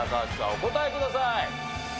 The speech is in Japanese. お答えください。